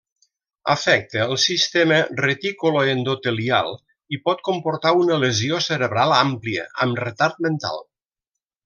Afecta el sistema reticuloendotelial i pot comportar una lesió cerebral àmplia amb retard mental.